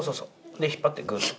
で引っ張ってグッと。